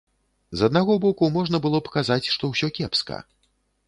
З аднаго боку, можна было б казаць, што ўсё кепска.